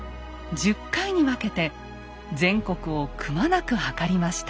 １０回に分けて全国をくまなく測りました。